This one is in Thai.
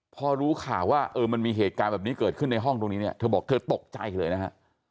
พอรู้ข่าวว่ามันมีเหตุการณ์แบบนี้เกิดขึ้นในห้องตรงนี้เนี่ยเธอบอกเธอตกใจเลยนะฮะ